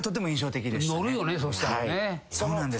そうなんです。